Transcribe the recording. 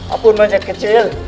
apun manjat kecil